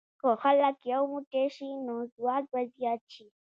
که خلک یو موټی شي، نو ځواک به زیات شي.